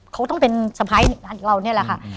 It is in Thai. เขาต้องเป็นสไพรส์นิ่งนานกับเราเนี่ยแหละค่ะ